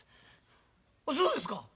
そうですか。